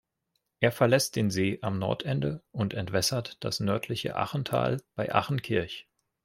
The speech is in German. Er verlässt den See am Nordende und entwässert das nördliche Achental bei Achenkirch.